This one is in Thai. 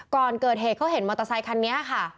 ก่อนเกิดเหตุเขาเห็นมอเตอร์ไซคันนี้ค่ะ